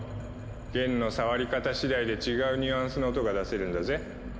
弦の触り方しだいで違うニュアンスの音が出せるんだぜ。